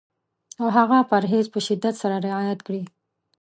او هغه پرهېز په شدت سره رعایت کړي.